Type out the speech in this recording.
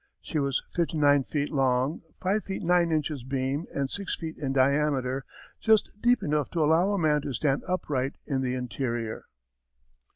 She was 59 feet long, 5 feet 9 inches beam, and 6 feet in diameter, just deep enough to allow a man to stand upright in the interior.